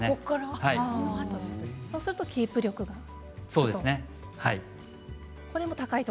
そうするとキープ力もつくと。